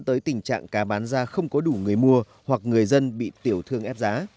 tới tình trạng cá bán ra không có đủ người mua hoặc người dân bị tiểu thương ép giá